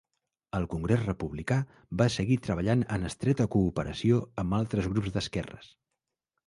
El Congrés Republicà va seguir treballant en estreta cooperació amb altres grups d"esquerres.